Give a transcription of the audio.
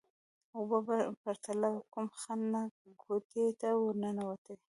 اوبه پرته له کوم خنډ نه کوټې ته ورننوتې.